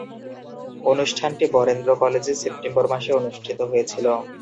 অনুষ্ঠানটি বরেন্দ্র কলেজে সেপ্টেম্বর মাসে অনুষ্ঠিত হয়েছিলো।